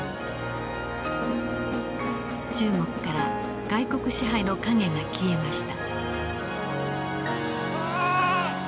中国から外国支配の影が消えました。